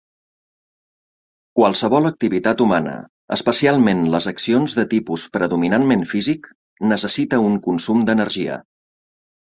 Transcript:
Qualsevol activitat humana, especialment les accions de tipus predominantment físic, necessita un consum d'energia.